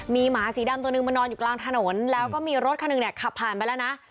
มีหมาสีดำตัวหนึ่งมานอนอยู่กลางถนนแล้วก็มีรถคันหนึ่งเนี่ยขับผ่านไปแล้วนะ